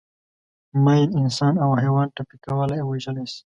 ماین انسان او حیوان ټپي کولای او وژلای شي.